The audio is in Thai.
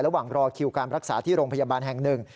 ระหว่างรอคิวการรักษาที่โรงพยาบาลแห่งหนึ่ง